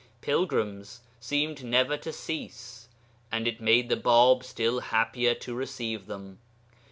Pilgrims seemed never to cease; and it made the Bāb still happier to receive them.